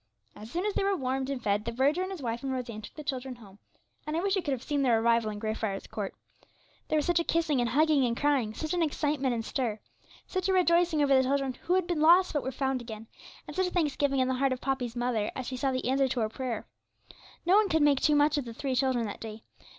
As soon as they were warmed and fed, the verger, and his wife, and Rose Ann took the children home; and I wish you could have seen their arrival in Grey Friars Court. There was such a kissing, and hugging, and crying; such an excitement and stir; such a rejoicing over the children, who had been lost but were found again, and such a thanksgiving in the heart of Poppy's mother, as she saw the answer to her prayer. No one could make too much of the three children that day.